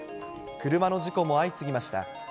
車の事故も相次ぎました。